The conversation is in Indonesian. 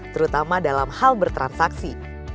terutama dalam hal bertransaksi